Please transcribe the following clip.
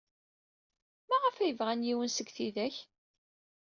Maɣef ay bɣan yiwet seg tidak?